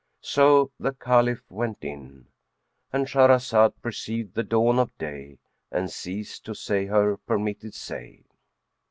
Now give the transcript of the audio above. So the Caliph went in,—And Shahrazad perceived the dawn of day and ceased to say her permitted say.